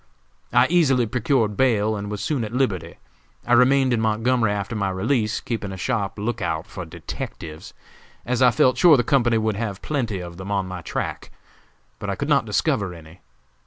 I easily procured bail, and was soon at liberty. I remained in Montgomery after my release, keeping a sharp look out for detectives, as I felt sure the company would have plenty of them on my track, but I could not discover any.